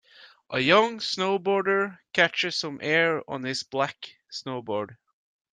A young snowboarder catches some air on his black snowboard.